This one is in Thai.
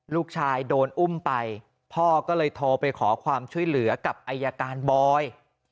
ลูกชายโดนอุ้มไปพ่อก็เลยโทรไปขอความช่วยเหลือกับอายการบอย